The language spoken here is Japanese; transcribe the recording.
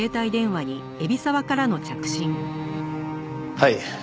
はい。